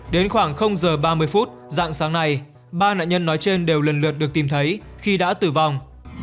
đến khoảng giờ ba mươi phút dạng sáng nay ba nạn nhân nói trên đều lần lượt được tìm thấy khi đã tử vong